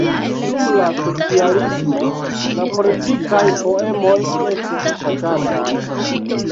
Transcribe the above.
Dum la socialismo la politikaj poemoj estis ŝatataj.